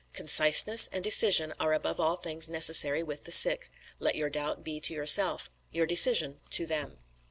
"Conciseness and decision are above all things necessary with the sick. Let your doubt be to yourself, your decision to them."